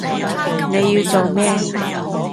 你要做咩？